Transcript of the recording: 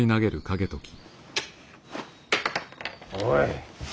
おい。